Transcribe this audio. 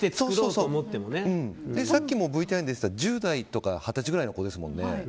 さっきもＶＴＲに出てた１０代とか二十歳ぐらいの子ですよね。